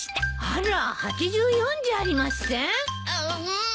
あら８４じゃありません？